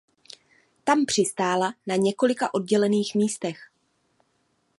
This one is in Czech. Tam přistála na několika oddělených místech.